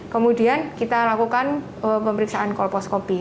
kemudian kita lakukan pemeriksaan kolposcopy